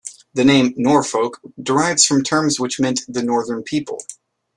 The name "Norfolk" derives from terms which meant "the northern people".